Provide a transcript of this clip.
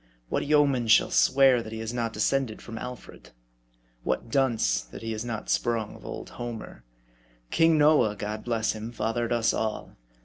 What yeoman shall swear that he is not descended from Alfred ? what dunce, that he is not sprung of old Homer ? King Noah, God bless him ! fathered us all.